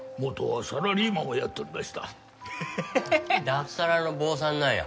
脱サラの坊さんなんや。